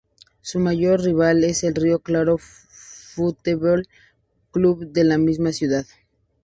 Su mayor rival es el Rio Claro Futebol Clube de la misma ciudad.